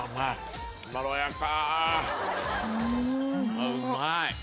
あうまい。